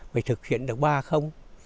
mới thực hiện được ba không